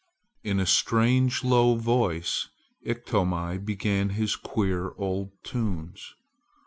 In a strange low voice Iktomi began his queer old tunes.